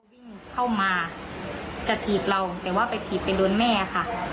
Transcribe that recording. วิ่งเข้ามาจะถีบเราแต่ว่าไปถีบไปโดนแม่ค่ะ